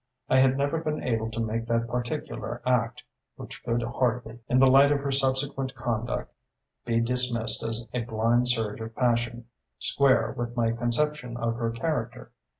I had never been able to make that particular act which could hardly, in the light of her subsequent conduct, be dismissed as a blind surge of passion square with my conception of her character.